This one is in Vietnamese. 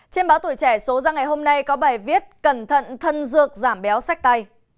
trên báo tuổi trẻ số ra ngày hôm nay có bài viết cẩn thận thân dược giảm béo sách tay